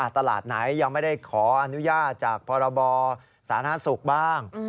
ตลาดไหนยังไม่ได้ขออนุญาตจากพรบสาธารณสุขบ้าง